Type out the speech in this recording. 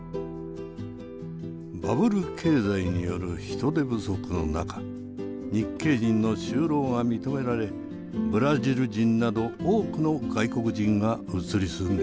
バブル経済による人手不足の中日系人の就労が認められブラジル人など多くの外国人が移り住んできたんです。